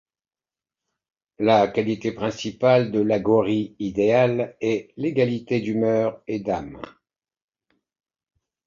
La qualité principale de l'aghori idéal est l’égalité d'humeur et d'âme.